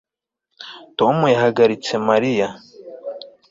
Tom yahagaritse Mariya